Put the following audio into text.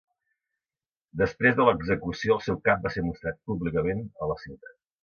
Després de l'execució, el seu cap va ser mostrada públicament en la ciutat.